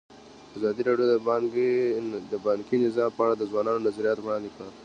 ازادي راډیو د بانکي نظام په اړه د ځوانانو نظریات وړاندې کړي.